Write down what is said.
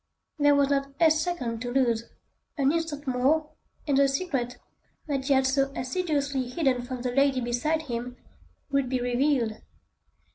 There was not a second to lose; an instant more, and the secret, that he had so assiduously hidden from the lady beside him, would be revealed.